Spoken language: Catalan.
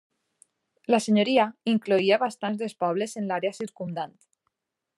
La senyoria incloïa bastants dels pobles en l'àrea circumdant.